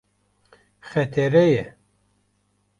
Xetere ye.